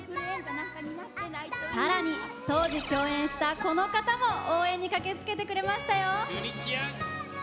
さらに、当時共演したこの方も応援に駆けつけてくれましたよ！